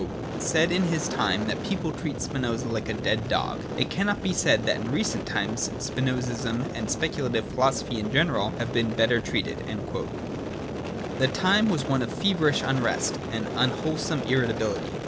xvi), ' said in his time that people treat Spinoza like a dead dog \ It cannot be said that in recent times Spinozism and speculative philosophy in general have been better treated.' The time was one of feverish unrest and unwhole some irritability.